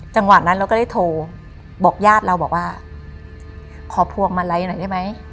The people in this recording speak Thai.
จังหวะนั้นเราก็ได้โทรบอกญาติเราบอกว่าขอพวงมาลัยหน่อยได้ไหม